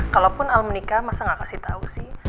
kalaupun al menikah masa gak kasih tau sih